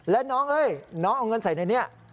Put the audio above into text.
แล้วน้องเอาเงินใส่ในนี้